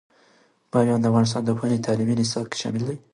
بامیان د افغانستان د پوهنې په تعلیمي نصاب کې شامل دی.